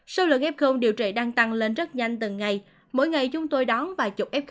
số lượng ghép không điều trị đang tăng lên rất nhanh từng ngày mỗi ngày chúng tôi đón vài chục f